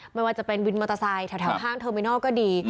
ไม่ว่าจะเป็นวินมอเตอร์ไซค์แถวห้างเทอร์มินอลก็ดี